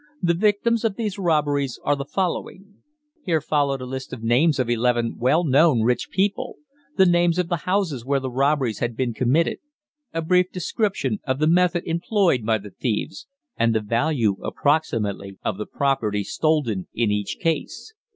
The victims of these robberies are the following: Here followed a list of names of eleven well known rich people; the names of the houses where the robberies had been committed; a brief description of the method employed by the thieves; and the value, approximately, of the property stolen in each case.